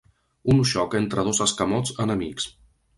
Un xoc entre dos escamots enemics.